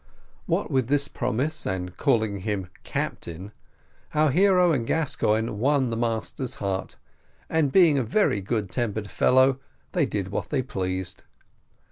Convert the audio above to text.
What with this promise and calling him captain, our hero and Gascoigne won the master's heart, and being a very good tempered fellow, they did what they pleased.